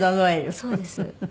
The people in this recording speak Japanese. そうです。